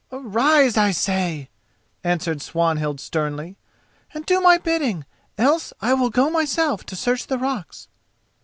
"Arise, I say," answered Swanhild sternly, "and do my bidding, else I will myself go to search the rocks."